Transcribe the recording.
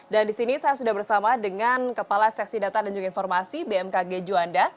dan di sini saya sudah bersama dengan kepala seksi data dan juga informasi bmkg juanda